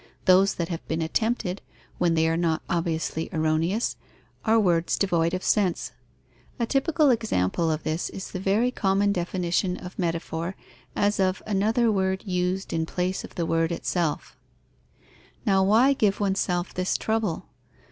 Those that have been attempted, when they are not obviously erroneous, are words devoid of sense. A typical example of this is the very common definition of metaphor as of another word used in place of the word itself. Now why give oneself this trouble?